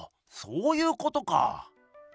そういうことか。